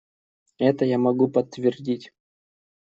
Это я могу подтвердить.